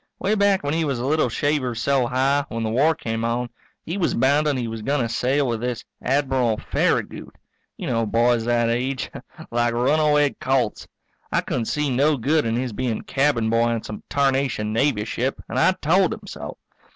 Way back when he was a little shaver so high, when the war came on, he was bounden he was going to sail with this Admiral Farragut. You know boys that age like runaway colts. I couldn't see no good in his being cabin boy on some tarnation Navy ship and I told him so.